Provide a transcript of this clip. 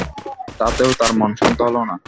তাতেও তাঁর মন শান্ত হল না।